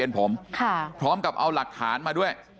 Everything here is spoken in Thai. พร้อมกับเอาหลักฐานมาด้วย